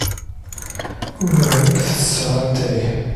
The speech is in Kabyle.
Ula d nekk ttesseɣ atay.